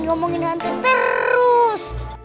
jangan diomongin hantu terus